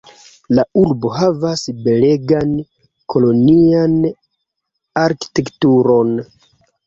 La urbo havas belegan kolonian arkitekturon.